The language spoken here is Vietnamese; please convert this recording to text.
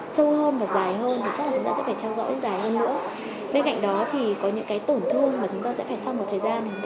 các tác động sâu hơn và dài hơn thì chắc là chúng ta sẽ phải theo dõi dài hơn nữa